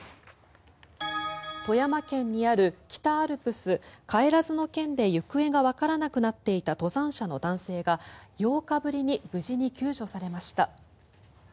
富山県にある北アルプス・不帰嶮で行方がわからなくなっていた登山者の男性が８日ぶりに無事に救助されました。